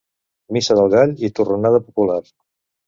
Missa del gall i torronada popular.